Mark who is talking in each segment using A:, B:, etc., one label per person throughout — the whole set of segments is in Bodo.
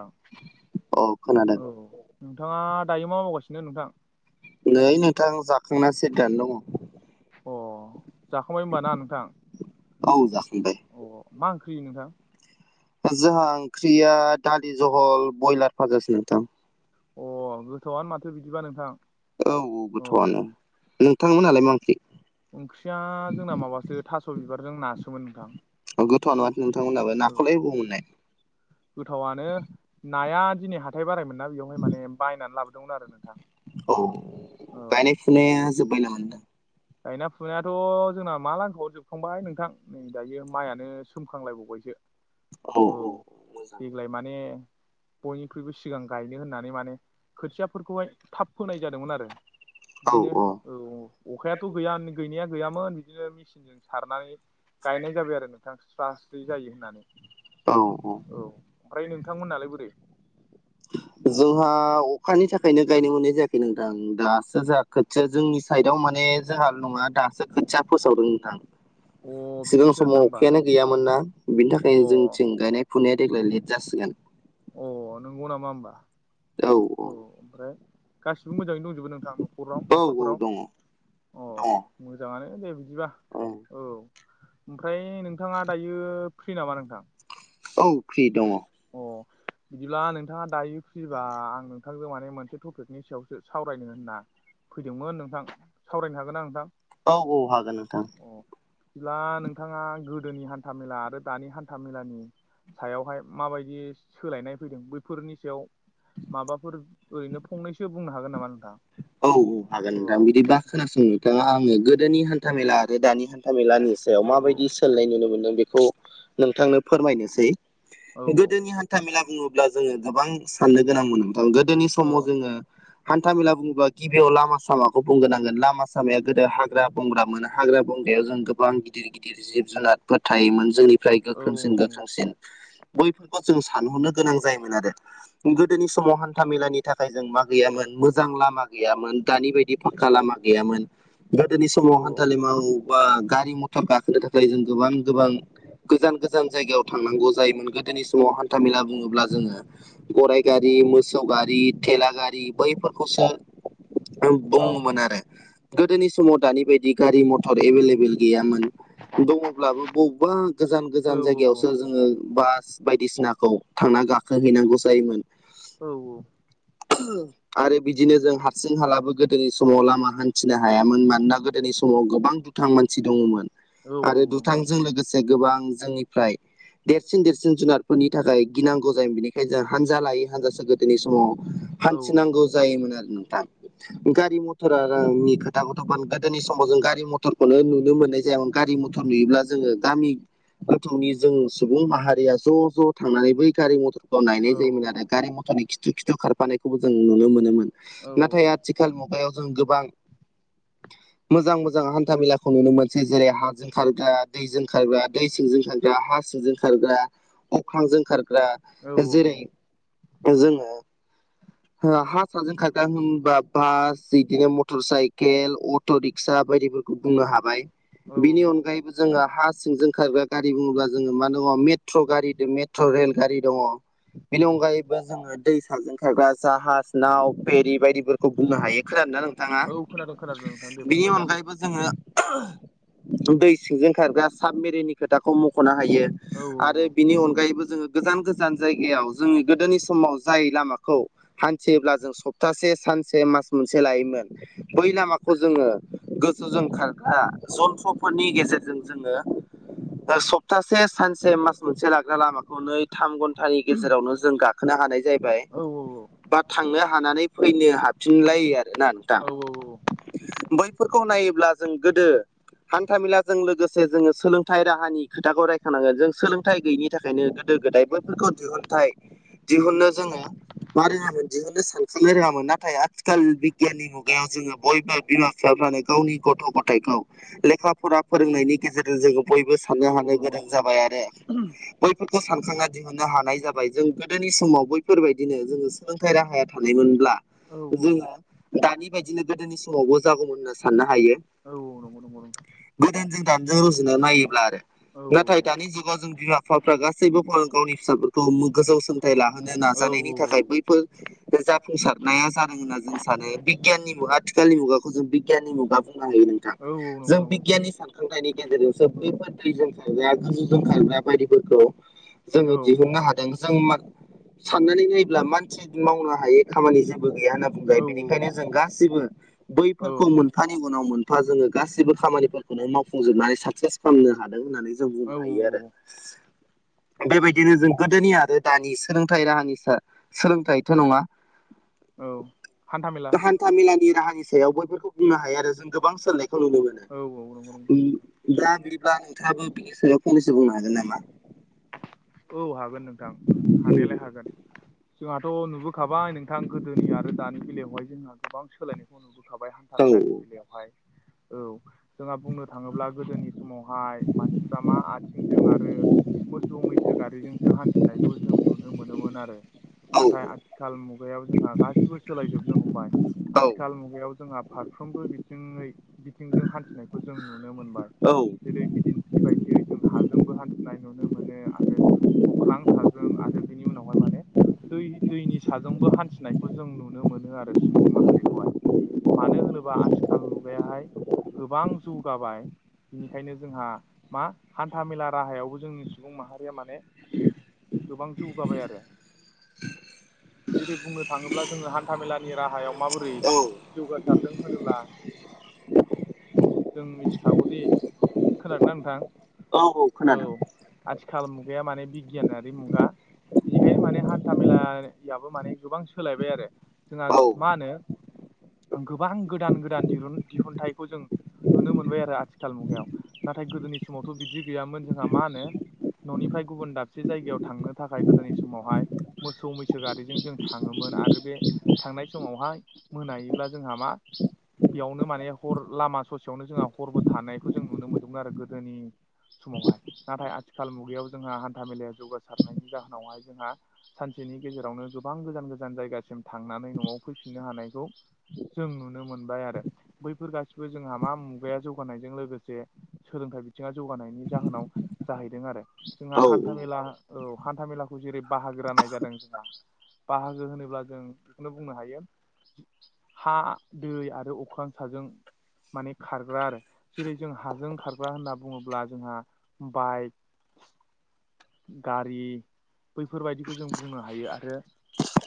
A: औ
B: औ खोनादों
A: नोंथाङा दायो मा मावगासिनो नोंथां?
B: नै नोंथां जाखांना सेरदनानै दङ।
A: अ जाखांबाय होनबा ना नोंथां?
B: औ जाखांबाय
A: अ मा ओंख्रि नोंथां?
B: जोंहा ओंख्रिया दालि जहल बयलार फाजासो नोंथां।
A: अ गोथावआनो माथो बिदिबा नोंथां।
B: औ गोथौआनो। नोंथांमोनालाय मा ओंख्रि?
A: ओंख्रिया जोंना माबासो थास' बिबारजों नासोमोन नोंथां।
B: गोथावआन' नोंथांमोनाबो नाखौलाय अबाव मोननाय?
A: गोथावनो नाया दिनै हाथाय बारायमोन नना बेवहाय माने बायनानै लाबोदोंमोन आरो नोंथां।
B: औ
A: औ
B: गायनाय फुनाया जोब्बाय नामा नोंथां?
A: गायनाय फुनायाथ' जोंना मा लांख जोबखांबाय नोंथां नै दायो माइयानो सोमखांलायबावबायसो। औ देग्लाय माने बयनिख्रुइबो सिगां गायनो होननानै माने खोथियाफोरखौहाय थाब फोनाय जादोंमोन आरो।
B: औ
A: बिदिनो औ अखायाथ' गैया गैनाया गैयामोन बिदिनो मिचिनजों सारनानै गायनाय जाबाय आरो नोंथां स्राास्रि जायो होननानै
B: औ
A: औ। ओमफ्राय नोंथां मोननालाय बोरै?
B: जोंहा अखानि थाखायनो गायनो मोननाय जायाखै नोंथां दासो जा खोथिया जोंनि साइदआव माने जोंहा नङा दासो खोथिया फोसावदों नोंथां।
A: अ
B: सिगां
A: बिदिसो आरोना
B: समाव
A: होमबा
B: अखायानो गैयामोन न ाबिनि
A: अ
B: थाखायनो जोंनिथिं गायनाय फुनाया देग्लाय लेट जासिगोन।
A: अ नोंगौ नामा होमबा। औ ओमफ्राय गासिबो मोजाङैनो दंजोबो नोंथां न'खराव
B: औ
A: न'खरफोराव?
B: दङ
A: अ
B: दङ।
A: मोजाङानो दे बिदिबा औ। ओमफ्राय नोंथाङा दायो फ्रि नामा नोंथां?
B: औ फ्रि दङ।
A: अ। बिदिब्ला नोंथाङा दायो फ्रिबा आं नोंथांजों माने मोनसे टपिकनि सायावसो सावरायनो होनना फैदोंमोन नोंथां सावरायनो हागोन आं नोंथां?
B: औ औ हागोन नोंथां।
A: अ बिदिब्ला नोंथाङा गोदोनि हान्था मेला आरो दानि हान्था मेलानि सायावहाय माबायदि सोलायनाय फैदों बैफोरनि सायाव माबाफोर ओरैनो फंनैसो बुंना हागोन नामा नोंथां?
B: औ औ हागोन नोंथां
A: औ
B: बिदिबा खोनासं नोंथाङा आङो गोदोनि हान्था मेला आरो दानि हान्था मेलानि
A: औ
B: माबायदि सोलायनाय नुनो मोनदों बेखौ नोंथांनो फोरमायनोसै।
A: औ
B: गोदोनि था मेला बुङोब्ला जोङो गोबां साननो गोनां मोन [unintelligible] गोदोनि
A: औ
B: समाव जोङो हान्था मेला बु गिबियाव लामा सामाखौ बुंग्रोनांगोन लामा सामाया गोदो हाग्रा बंग्रा मोनो हाग्रा बंग्रायाव जों गोबां गिदिर गिदिर जिब जुनारफोर थायोमोन जोंनिफ्राय
A: औ औ
B: गोख्रोंसिन
A: नंगौ नंगौ
B: गोख्रोंसिन बैफोरखौ जों सानहरनो गोनां जायोमोन आरो। गोदोनि समाव हान्था मेलानि थाखाय जों मा गैयामोन मोजां लामा गैयामोन दानि बायदि
A: औ
B: फाक्का लामा गैयामोन गोदोनि
A: औ
B: समाव हान्थालिमाव बा गारि मथर गाखोनो थाखाय जों गोबां गोबां गोजान गोजान जायगायाव थांनांगौ जायोमोन गोदोनि समाव हान्था मेला बुंङोब्ला जोंङो गराय गारि मो सौगारि थेला गारि बैफोरखौसो
A: औ
B: बुङोमोन आरो गोदोनि समाव दानि बायदि गारि मथर एभेलेबेल गैयामोन। दङब्लाबो बबेबा गोजान गोजान
A: औ
B: जायगायावसो जोङो बास बायदिसिनाखौ थांना गाखोहैनांगौ जायोमोन। आरो बिदिनो जों जोंहालाबो गोदोनि समाव लामा हान्थिनो हायामोन मानोना गोदोनि समाव गोबां दुथां मानसि दङमोन। आरो दुथांजों लोगोसे गोबां जोंनिफ्राय देरसिन देरसिन जुनादफोरनि थाखाय गिनांगौ जायोमोन बेनिखाय जों हानजा लायै हानजासो गोदोनि समाव हान्थिनांगौ जायोमोन आरो नोंथां। गारि मथरानि खोथाखौथ' [unintelligible] गोदोनि समाव जों गारि मथरखौनो नुनो मोननाय जायामोन। गारि मथर नुयोब्ला जोङो गामि गोथौनि जों सुबुं माहारिया ज' ज' थांनानै बै गारि मथर नायनाय जायोमोन
A: औ
B: आरो गारि मथरनि खिथु खिथु खारफानायखौबो जों नुनो मोनोमोन
A: औ
B: नाथाय
A: औ
B: आ आथिखाल मुगायाव जों गोबां
A: [inaudible]
B: मोजां मोजां हान्था मेलाखौ नुनो मोनसै जेरै हाजों खारग्रा दैजों खारग्रा दै सिंजों खारग्रा हा सिंजों खा खारग्रा अख्रांजों खारग्रा
A: औ
B: जेरै जोङो ओ हा साजों खा ग्रा होनबा बास बिदिनो मटर साइकेल अट' रिक्सा बायदिफोरखौ बुंनो हाबाय।
A: औ
B: बिनि अनगायैबो जोङो हा सिंजों खारग्रा गारि बुङोब्ला जोङो मा दङ मे ट्र' गारि [unintelligible] मेट्र' रेल गारि दङ। बेनि अनगायैबो जोङो दै साजाजों खारग्रा जाहाज नाव फेरि बायदिफोरखौ बुंनो हायो खोनादोंना नोंथाङा?
A: औ खोनादों खोनादों नोंथां दे
B: बिनि
A: बुंबाय दा नोंथां
B: अनगायैबो जोङो दै सिंजों खारग्रा साबमेरिननि खोथाखौ मख'नो हायो।
A: औ औ।
B: आरो बिनि अनगायैबो जोङो गोजान गोजान जायगायाव जोंनि गोदोनि समाव जाय लामाखौ हान्थियोब्ला जों सप्तासे सानसे मास मोनसे लायोमोन बै लामाखौ जोङो गोसोजों खारग्रा जन्थ्र'फोरनि गेजेरजों जोङो सप्तासे सानसे मास मोनसे लाग्रा लामाखौ नै थाम घन्टानि गेजेरावनो जों गाखोनो हानाय जाहैबाय
A: औ औ
B: बा थांनो हानानै फैनो हाबफिनलायो आरोना नोंथां।
A: औ औ
B: बैफोरखौ नायोब्ला जों गोदो हान्था मेलाजों लोगोसे जोङो सोलोंथाइ राहानि खोथाखौ रायखानांगोन जों सोलोंथाइ गैयि थाखायनो गोदो गोदाय बैफोरखौ दिहुनथाय दिहुननो जोङो [unintelligible] दिहुननो सान साननो रोङामोन नाथाय आथिखाल बिगियाननि मुगायाव जोङो बयबो बिमा बिफाफोरानो गावनि गथ' गथायखौ लेखा फरा फोरोंनायनि गेजेरजों जोङो बयबो साननो
A: औ
B: हानाय
A: नंगौ नंगौ
B: गोरों जाबाय
A: नोंथां
B: आरो। फोरखौ सानखांना दिहुननो हानाय जाबाय जों गोदोनि समाव बैफोरबायदिनो जोङो सोलोंथाइ राहाया थानायमोनब्ला
A: औ
B: जोङो दानि बायदिनो गोदोनि समावबो जागौमोन होनना साननो हायो।
A: औ औ नंगौ नंगौ नोंथां।
B: गोदोनिजों जों दानिजों रुजुनो नायोब्ला आरो
A: औ
B: नाथाय दानि जुगाव जों बिमा बिफाफ्रा गासैबो गावनि फिसाफोरखौ गोजौ सोलोंथाइ लाहोनो
A: औ
B: नाजानायनि
A: औ
B: थाखाय बैफोर बे जाफुंसारनाया जादों होनना जों सानो बिगियाननि मुगा आथिखालनि मुगाखौ जों बिगियाननि मुगा बुंनो हायो नोंथां।
A: औ
B: जों
A: नंगौ नोंथां औ
B: बिगियान हिसाबै अथाइनि गेजेरजोंसो बैफोर दैजों खारग्रा गोजौजों खारग्रा बायदिफोरखौ जोङो
A: औ औ
B: दिहुननो हादों। जों साननानै नायोब्ला मानसि मावनो खामानि जेबो गैया होनना बुंजायो बेनिखायनो जों गासिबो बैफोरखौ मोन मोनफानि उनाव मोनफा जोङो गाससिबो खामानिफोरखौनो मावफुंजोबनानै साक्सेस खालामनो हादों होननानै जों बुंनो
A: औ
B: हायो आरो। बेबायदिनो जों गोदोनि आरो दानि सोलोंथाइ राहानि स सोलोंथाइथ' नङा
A: औ हान्थाामेला
B: तामेलानि राहानि सायाव बैफोरखौ बुंनो हायो आरो जों गोबां सोलोंनायखौ नुनो मोनो।
A: औ औ नंगौ नंगौ नंगौ।
B: दा बिब्ला नोंथाङाबो बिनि सायाव फंनैसो बुंनो हागोन नामा?
A: औ हागोन नोंथां हानायालाय हागोन जोंहाथ' नुबो खाबाय नोंथां गोदोनि आरो दानि बेलायावहाय जोंहा गोबां सोलायनाय नुबोखाबाय हान्था
B: औ
A: मेलानि बेलायावहाय औ जोंहा बुंनो थाङोब्ला गोदोनि समावहाय मानसिफ्रा मा आथिंजों आरो मोसौ मैसो गारिजोंसो हान्थिनायखौ जों नुनो मोनोमोन आरो।
B: औ
A: नाथाय आथिखाल मुगायायावो जोंहा गासिबो सोलायजोबनो हमबाय।
B: औ
A: आथिखाल मुगायाव जोंहा फारफ्रोमबो बिथिङै बिथिंजों हान्थिनाय खौ जों नुनो मोनबाय।
B: औ
A: जेरै बिदिन्थि बायदियै जों हाजोंबो हान्थिनाय नुनो मोनो आरो ओ अख्रां साजों आरो बिनि उनावहाय माने दै दैनि साजोंबो हान्थिनायखौ जों नुनो मोनो आरो। सुबुं माहारिखौहाय मानो होनोबा आथिखाल मुगायाहाय गोबां जौगाबाय बिनिखायनो जोंहा मा हान्था मेला राहायावबो जोंनि सुबुं माहारि या माने गोबां जौगाबाय आरो। जेरै बुंनो थाङोब्ला जोङो हान्था मेलानि राहायाव माबोरै
B: औ
A: जौगासारदों होनोब्ला जों मिथिखागौदि खोनादोना नोंथां?
B: औ औ खोनादों
A: आथिखाल मुगाया माने बिगियानारि मुगा बिनिखायनो माने हान्था मेेलायाबो माने गोबां सोलायबाय आरो। जोंहा
B: औ
A: मा होनो गोबां गोदान-गोदान दिहुनथाइखौ जों नुनो मोनबाय आरो आथिखाल मुगायाव नाथाय गोदोनि समावथ' बिदि गैयामोन जोंहा मा होनो न'निफ्राय गुबुन दाबसे जायगायाव थांनो थाखाय गोदोनि समावहाय मोसौ मैसो गारिजों जों थाङोमोन आरो बे थांनाय समावहाय मोनायोब्ला जोंहा मा बेयावनो माने हर लामा ससेयावनो जोंहा हरबो थानायखौ जों नुनो मोनदोंमोन आरो गोदोनि समावहाय नाथाय आथिखाल मुगायाव जोंहा हान्था मेलाया जौगासारनायनि जाहोनावहाय जोंहा सानसेनि गेजेरावनो गोबां गोजान गोजान जायगासिम थांनानै न'आव फैफिननो हानायखौ जों नुनो मोनबाय आरो। बैफोर गासिबो जोंहा मा मुगाया जौगानायजों लोगोसे सोलोंथाइ बिथिङा जौगानायनि जाहोनाव जाहैदों आरो जोंहा
B: औ
A: हान्था मेला औ हान्था मेलाखौ जेरै बाहागो राननाय जादों जोंहा बाहागो होनोब्ला जों बेखौनो बुंनो हायो। हा, दै आरो अख्रां साजों माने खारग्रा आरो जेरै जों हाजों खारग्रा होनना बुङोब्ला जोंहा बाइक [inaudible] गारि बैफोरबायदिखौ जों बुंनो हायो आरो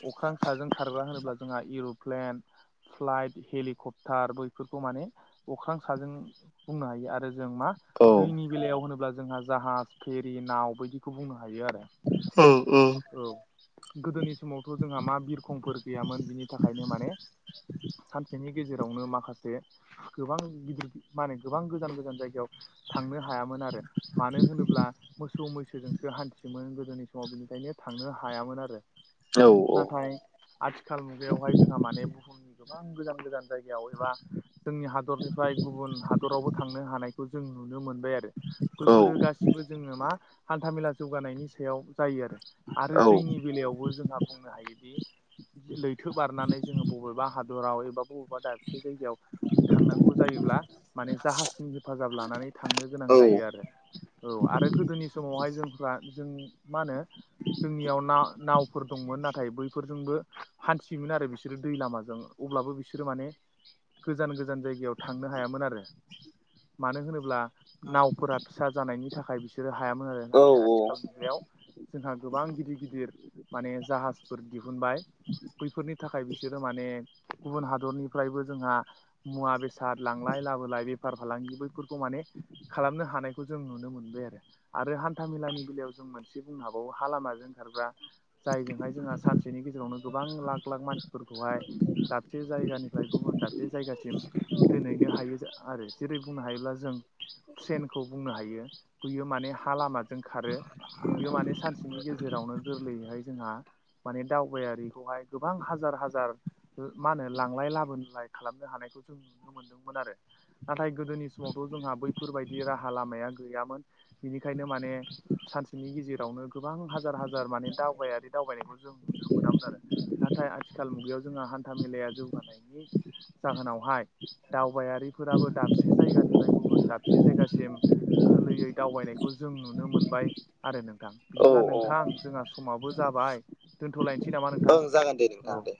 A: अख्रां साजों खारग्रा होनोब्ला जोंहा इर'प्लेन। फ्लाइट हेलिकप्टार बैफोरखौ माने अख्रां साजों बुंनो हायो आरो जों मा
B: औ
A: दैनि बेलायाव होनोब्ला जोंहा जाहाज फेरि नाव बायदिखौ बुंनो हायो आरो
B: औ
A: औ गोदोनि समावथ' जोंहा मा बिरखंफोर गैयामोन बिनि थाखायनो माने सानसेनि गेजेरावनो माखासे गोबां गिदिर माने गोबां गोजान गोजान जायगायाव थांनो हायामोन आरो मानो होनोब्ला मोसौ मैसोजों हान्थियोमोन गोदोनि समाव बिनिखायनो थांनो हायामोन आरो
B: औ
A: नाथाय आथिखाल मुगायावहाय जोंहा माने बुहुमनि गोबां गोजान गोजान जायगायाव एबा जोंनि हादरनिफ्राय गुबुन हादरावबो थांनो हानायखौ जों नुनो मोनबाय आरो बेैफोरो गासिबो जोङो मा हान्था मेला जौगानायनि सायाव जायो आरो आरो दैनि बेलायावबो जोंहा बुंनो हायोदि लैथो बारनानै जोङो बबेबा हादराव एबा बबेबा दाबसे जायगायाव थांनांगौ जायोब्ला माने जाहाजनि हेफाजाब लानानै थांनो गोनां जायो आरो औ आरो गोदोनि समावहाय जोंफ्रा जों मा होनो जोंनियाव ना-नावफोर दंमोन नाथाय बैफोरजोंबो हान्थियोमोन आरो बिसोरो दै लामाजों अब्लाबो बिसोरो माने गोजान गोजान जायगायाव थांनो हायामोन आरो मानो होनोब्ला नावफोरा फिसा जानायनि थाखाय बिसोरो हायामोन आरो
B: औ
A: नथाय आथिखाल मुगायाव जोंहा गोबां गिदिर गिदिर माने जाहाजफोर दिहुनबाय। बैफोरनि थाखाय बिसोरो माने गुबुन हादरनिफ्रायबो जोंहा मुवा बेसाद लांलाय लाबोलाय बेफार फालांगि बैफोरखौ माने खालामनो हानायखौ जों नुनो मोनबाय आरो आरो [unintelligible] हान्थामेलानि बेलायाव जों मोनसे बुंनो हाबावो हा लामाजों खारग्रा जायजोंहाय जोंहा सानसेनि गेजेरावनो गोबां लाख लाख मानसिफोरखौहाय दाबसे जायगानिफ्राय गुबुन दाबसे जायगासिम दोनहैनो हायो आरो जेरै बुंनो हायोब्ला जों ट्रेनखौ बुंनो हायो बयो माने हा लामा जों खारो बियो माने सानसेनि गेजेरावनो गोरलैयैहाय जोंहा माने दावबायारिखौहाय गोबां हाजार हाजार ओ मा होनो लांलाय लाबोनलाय खालामनो हानायखौ जों नुनो मोनदोंमोन आरो नाथाय गोदोनि समावथ' जोंहा बैफोरबायदि राहा लामाया गैयामोन बिनिखायनो माने सानसेनि गेजेरावनो गोबां हाजार हाजार माने दावबायारि दावबायनायखौ जों नु नुनो मोनामोन आरो नाथाय आथिखाल मुगायाव जोंहा हान्था मेलाया जौगानायनि जाहोनावहाय दावबायारिफोराबो दाबसे जायगानिफ्राय गुबुन दाबसे जायगासिम गोरलैयै दावबायनायखौ जों नु मोनबाय आरो नोंथां
B: औ
A: बिदिब्ला नोंथां जोंहा समाबो जाबाय दोनथ'लायनोसै [unintelligible] नामा नोंथां
B: ओं जागोन दे
A: औ
B: नोंथां दे